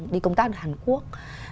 đi công tác ở hàn quốc